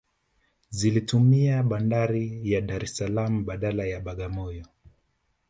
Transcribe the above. Zilitumia bandari ya Dar es Salaam badala ya Bagamoyo